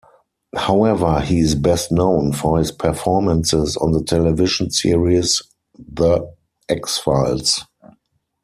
However, he is best known for his performances on the television series "The X-Files".